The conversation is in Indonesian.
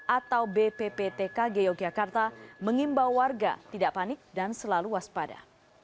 atau bpptkg yogyakarta mengimbau warga tidak panik dan selalu waspada